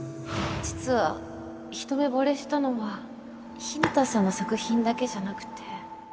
実は一目ぼれしたのは日向さんの作品だけじゃなくて